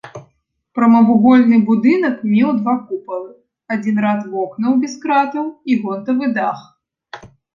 Прамавугольны будынак меў два купалы, адзін рад вокнаў без кратаў і гонтавы дах.